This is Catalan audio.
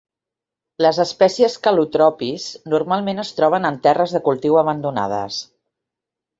Les espècies "calotropis" normalment es troben en terres de cultiu abandonades.